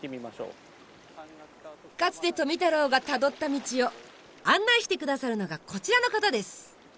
かつて富太郎がたどった道を案内してくださるのがこちらの方です！